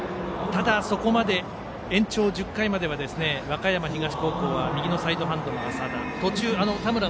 ただ、そこまで延長１０回までは和歌山東高校は右のサイドハンドの麻田